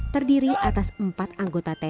terdiri atas empat anggota tni